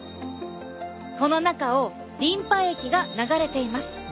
この中をリンパ液が流れています。